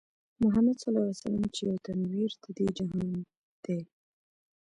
محمدص چې يو تنوير د دې جهان دی